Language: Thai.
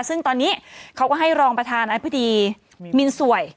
ซึ่งตอนนี้เขาก็ให้รองประธานอธิบดีมินสวย